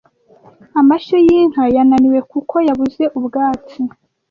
Amashyo y’inka yanāniwe kuko yabuze ubwatsi